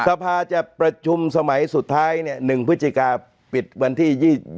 สภาจะประชุมสมัยสุดท้าย๑พฤศจิกาปิดวันที่๒๒